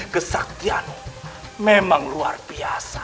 kesaktianmu memang luar biasa